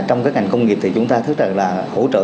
trong cái ngành công nghiệp thì chúng ta thật ra là hỗ trợ